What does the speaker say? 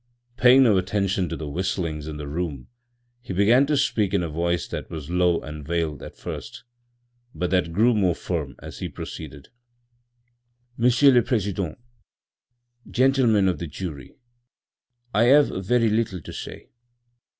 Paying no attention to the whistlings in the room, he began to speak in a voice that was low and veiled at first, but that grew more firm as he proceeded. "Monsieur le President, gentlemen of the jury: I have very little to say.